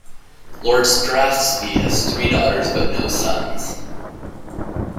Lord Strathspey has three daughters but no sons.